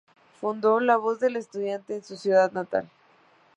Fundó "La Voz del Estudiante" en su ciudad natal".